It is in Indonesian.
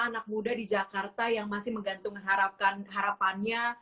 anak muda di jakarta yang masih menggantung harapannya